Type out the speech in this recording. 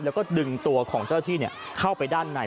แล้วก็ดึงตัวของเจ้าที่เข้าไปด้านใน